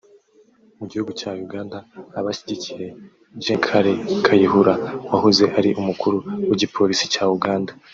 Mu gihugu cya Uganda abashyigikiye Gen Kale Kayihura wahoze ari umukuru w’Igipolisi cya Uganda